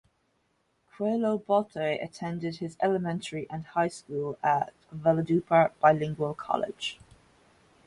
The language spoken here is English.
Cuello Baute attended his elementary and high school at Valledupar Bilingual College.